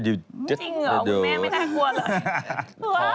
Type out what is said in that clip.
นะแต่จริงเหรอคุณแม่ไม่ได้กลัวเลย